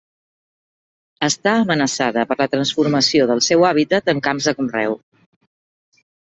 Està amenaçada per la transformació del seu hàbitat en camps de conreu.